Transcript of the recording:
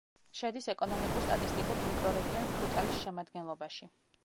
შედის ეკონომიკურ-სტატისტიკურ მიკრორეგიონ ფრუტალის შემადგენლობაში.